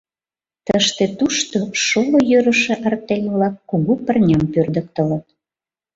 Тыште-тушто шоло йӧрышӧ артель-влак кугу пырням пӧрдыктылыт.